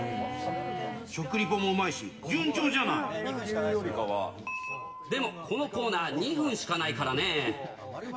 食リポもうまいし、順調じゃでも、このコーナー、２分しかないからね。